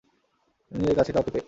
নিজের কাছে কাউকে পেয়ে।